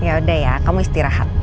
yaudah ya kamu istirahat